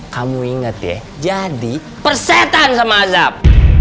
kamu inget ya jadi persetan sama azab